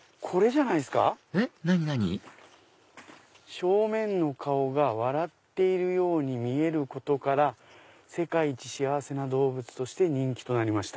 「正面の顔が笑っているように見えることから『世界一しあわせな動物』として人気となりました」。